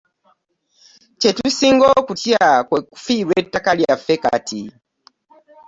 Kye tusinga okutya kwe kufiirwa ettaka lyaffe kati.